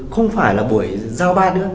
không phải là buổi giao ban nữa